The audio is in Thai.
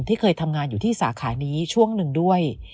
เคยทำงานอยู่ที่สาขานี้ช่วงหนึ่งด้วย